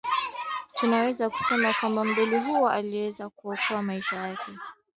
tunaweza kusema kwamba mdoli huyo aliokoa maisha yake